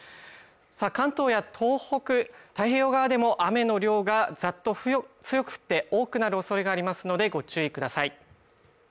関東や東北太平洋側でも雨の量がざっと強く降って多くなるおそれがありますのでご注意ください